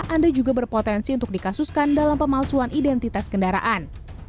anda juga berpotensi untuk dikasuskan dalam pemalsuan identitas kendaraan